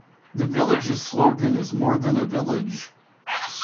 The village's slogan is More than a village.